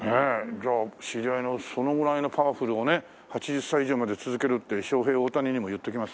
じゃあ知り合いのそのぐらいのパワフルをね８０歳以上まで続けるってショウヘイオオタニにも言っておきます。